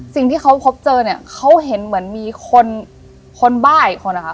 สิ่งที่เขาพบเจอเนี่ยเขาเห็นเหมือนมีคนคนบ้าอีกคนนะคะ